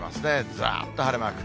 ずらーっと晴れマーク。